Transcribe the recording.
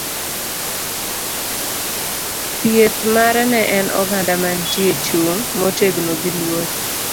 Dhieth mare ne en oganda mantie chung' motegno gi luor.